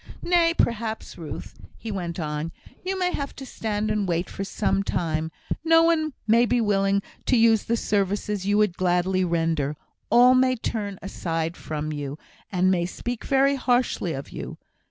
"Nay, perhaps, Ruth," he went on, "you may have to stand and wait for some time; no one may be willing to use the services you would gladly render; all may turn aside from you, and may speak very harshly of you.